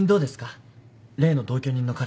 例の同居人の彼。